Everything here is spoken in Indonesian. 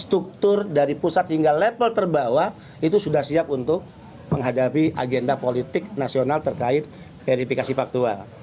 struktur dari pusat hingga level terbawah itu sudah siap untuk menghadapi agenda politik nasional terkait verifikasi faktual